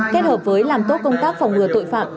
kết hợp với làm tốt công tác phòng ngừa tội phạm